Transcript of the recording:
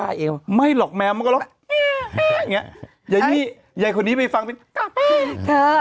เฮ้ยไม่หรอกแมวมันก็อย่างงี้ยังงี้ยังคนนี้ไม่ฟังเธอ